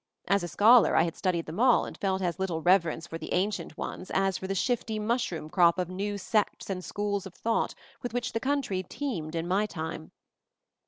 As a scholar I had studied them all, and felt as little reverence for the ancient ones as for the shifty mushroom crop of new sects and schools of thought with which the country teemed in my time.